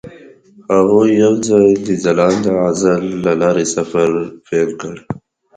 هغوی یوځای د ځلانده غزل له لارې سفر پیل کړ.